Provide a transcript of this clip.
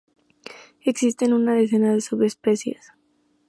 Existen una decena de subespecies.